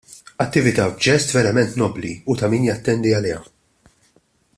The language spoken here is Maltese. Attività b'ġest verament nobbli u ta' min jattendi għaliha.